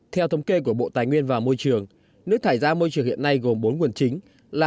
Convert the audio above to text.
theo thống kê của bộ tài nguyên và môi trường nước thải ra môi trường hiện nay gồm bốn nguồn chính là